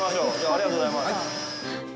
ありがとうございます。